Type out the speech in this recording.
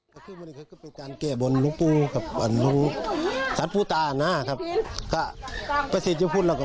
พ่อปรักษ์รักษาอยู่บ้านหนึ่งสี่นะครับ